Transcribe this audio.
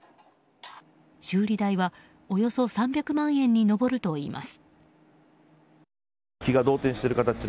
修理代は、およそ３００万円に上るといいます。